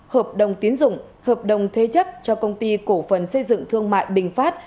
hợp đồng tiến dụng hợp đồng thế chấp cho công ty cổ phần xây dựng thương mại bình phát